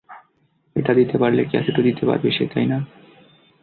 এটা দিতে পারলে ক্যাসেটও দিতে পারবে সে, তাই না?